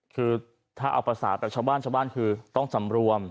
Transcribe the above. คือถ้าเอาประสาทแต่ชาวบ้านคือต้องสำรวม